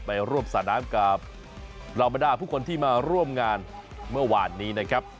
ไปร่วมสระน้ำกับเหล่าบรรดาผู้คนที่มาร่วมงานเมื่อวานนี้นะครับ